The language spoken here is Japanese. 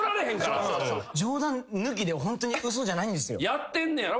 やってんねやろ？